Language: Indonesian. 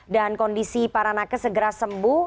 dan kondisi para naka segera sembuh